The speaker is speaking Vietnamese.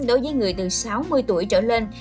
đối với người từ sáu mươi tuổi trở lên